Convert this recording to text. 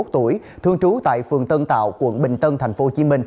ba mươi một tuổi thương trú tại phường tân tạo quận bình tân tp hcm